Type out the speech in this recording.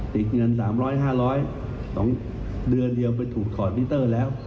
ติดเงิน๓๐๐๕๐๒เดือนเดียวไปถูกถอดมิเตอร์แล้ว